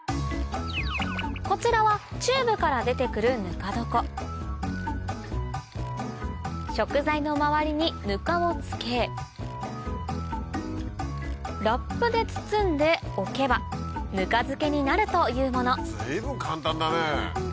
こちらはチューブから出て来るぬか床食材の周りにぬかを付けラップで包んで置けばぬか漬けになるというもの随分簡単だね。